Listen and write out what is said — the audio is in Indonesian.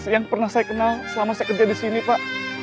yang pernah saya kenal selama saya kerja disini pak